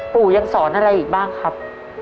ปู่ยังสอนอะไรอีกบ้างครับ